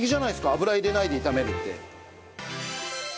油入れないで炒めるって。